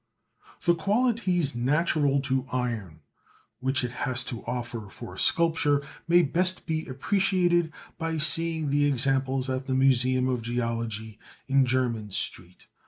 The qualities natural to iron which it has to offer for sculpture may best be appreciated by seeing the examples at the Museum of Geology, in Jermyn Street.